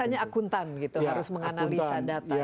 makanya akuntan gitu harus menganalisa data